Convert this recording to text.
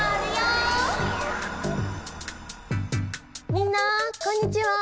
みんなこんにちは。